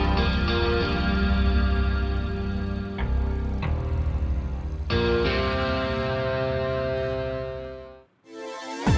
kalau kamu ingin lihat